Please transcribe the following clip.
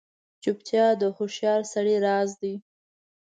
چوپتیا، د هوښیار سړي راز دی.